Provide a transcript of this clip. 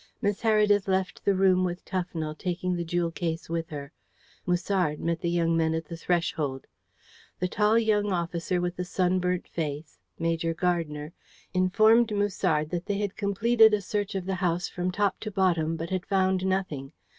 Miss Heredith left the room with Tufnell, taking the jewel case with her. Musard met the young men at the threshold. The tall young officer with the sunburnt face, Major Gardner, informed Musard that they had completed a search of the house from top to bottom, but had found nothing.